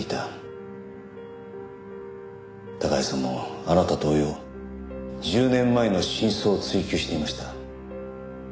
孝也さんもあなた同様１０年前の真相を追及していました。